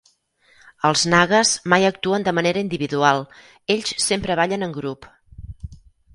Els nagas mai actuen de manera individual, ells sempre ballen en grup.